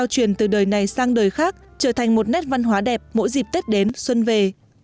truyền từ đời này sang đời khác trở thành một nét văn hóa đẹp mỗi dịp tết đến xuân về